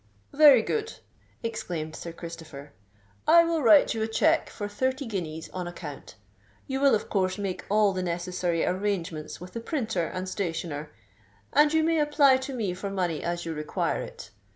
"Very good," exclaimed Sir Christopher. "I will write you a cheque for thirty guineas on account. You will of course make all the necessary arrangements with the printer and stationer, and you may apply to me for money as you require it.